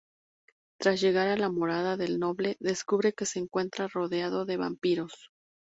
Tras llegar a la morada del noble, descubre que se encuentra rodeado de vampiros.